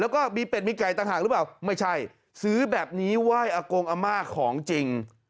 แล้วก็มีเป็ดมีไก่ต่างหากหรือเปล่าไม่ใช่ซื้อแบบนี้ไหว้อากงอาม่าของจริง